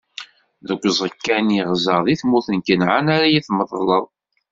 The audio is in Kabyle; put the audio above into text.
Deg uẓekka-nni i ɣzeɣ di tmurt n Kanɛan ara yi-tmeḍleḍ.